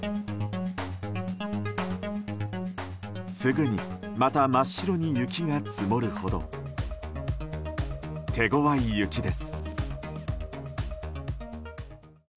すぐにまた真っ白に雪が積もるほど手ごわい雪です。